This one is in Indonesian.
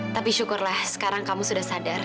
tapi syukurlah sekarang kamu sudah sadar